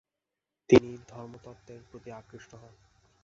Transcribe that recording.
তিনি ধর্মতত্ত্বের প্রতি আকৃষ্ট হন।